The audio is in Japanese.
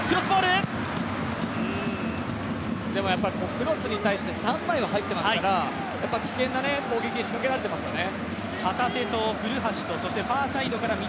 クロスに対して３枚は入っていますから、危険な攻撃を仕掛けられていますよね。